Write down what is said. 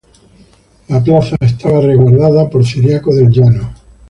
La plaza estaba resguardada por Ciriaco del Llano.